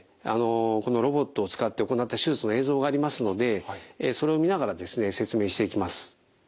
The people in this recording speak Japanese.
このロボットを使って行った手術の映像がありますのでそれを見ながらですね説明していきます。